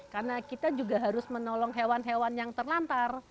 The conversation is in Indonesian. karena kita juga harus menolong hewan hewan yang terlantar